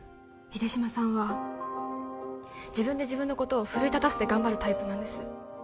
秀島さんは自分で自分のことを奮い立たせて頑張るタイプなんです